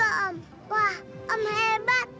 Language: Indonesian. wah om hebat